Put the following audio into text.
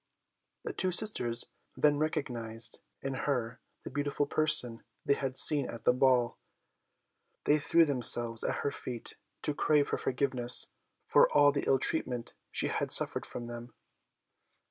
The two sisters then recognised in her the beautiful person they had seen at the ball. They threw themselves at her feet to crave her forgiveness for all the ill treatment she had suffered from them.